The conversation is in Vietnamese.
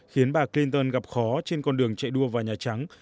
khiến bà clinton gặp khó trên con đường chạy đua vào nhà trắng